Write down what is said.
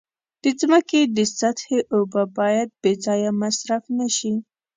د ځمکې د سطحې اوبه باید بې ځایه مصرف نشي.